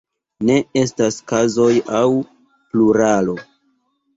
Ne estas kazoj aŭ pluralo.